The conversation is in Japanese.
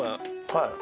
はい。